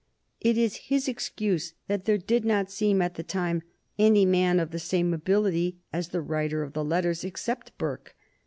It is his excuse that there did not seem at the time any man of the same ability as the writer of the letters except Burke.